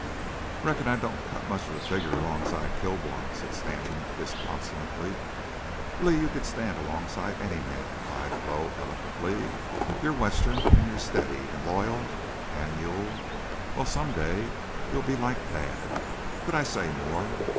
"Reckon I don't cut much of a figure alongside Kilbourne," said Stanton, disconsolately. "Lee, you could stand alongside any man," replied Flo, eloquently. "You're Western, and you're steady and loyal, and you'll—well, some day you'll be like dad. Could I say more?...